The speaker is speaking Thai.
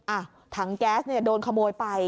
อ่ะถังแก๊สโดนขโมยไป